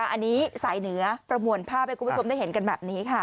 อันนี้สายเหนือประมวลภาพให้คุณผู้ชมได้เห็นกันแบบนี้ค่ะ